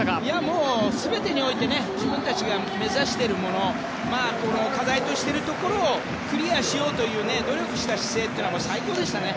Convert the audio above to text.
もう全てにおいて自分たちが目指しているもの課題としているところをクリアしようという努力した姿勢というのは最高でしたね。